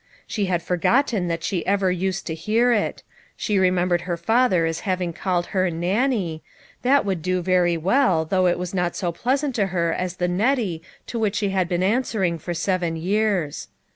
She had forgotten that she ever used to hear it ; she remembered her father as having called her ' Nannie '; that would do very well, though it was not so pleasant to her as the ' Nettie ' to which she had been an swering for seven years.